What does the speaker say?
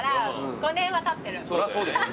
そりゃそうでしょ。